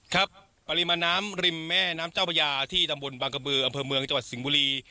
ครับปริมาณน้ำริมแม่น้ำเจ้าพระยาที่ตำบลบางกระบืออำเภอเมืองจังหวัดสิงห์บุรี